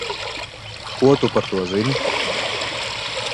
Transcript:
Ko tu par to zini?